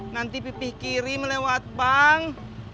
nanti pipih kirim lewat bank